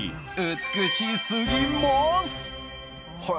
美しすぎます。